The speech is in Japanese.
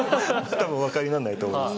多分おわかりにならないと思います。